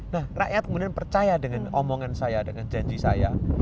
nah rakyat kemudian percaya dengan omongan saya dengan janji saya